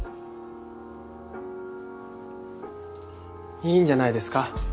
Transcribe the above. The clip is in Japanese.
いいんじゃないですか？